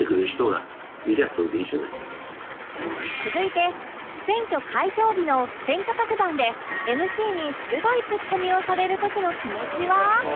続いて選挙開票日の選挙特番で ＭＣ に鋭いつっこみをされる時の気持ちは？